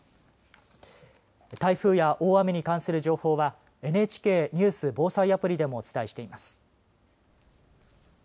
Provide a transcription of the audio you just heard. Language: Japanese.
台風や大雨に関する情報はＮＨＫニュース・防災アプリでもお伝えしています。